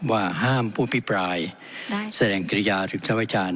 ว่าห้ามพูดพิปรายแสดงเกรยาถึงชาวอาจารย์